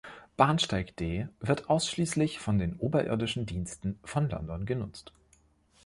Bahnsteig D wird ausschließlich von den oberirdischen Diensten von London genutzt.